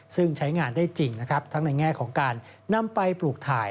ซึ่งใช้งานได้จริงนะครับทั้งในแง่ของการนำไปปลูกถ่าย